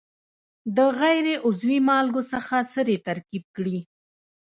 د غیر عضوي مالګو څخه سرې ترکیب کړي.